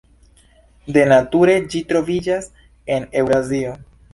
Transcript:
De nature ĝi troviĝas en Eŭrazio.